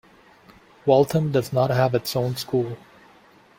Waltham does not have its own school.